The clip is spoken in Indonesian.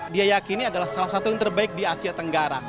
dia yakini adalah salah satu yang terbaik di asia tenggara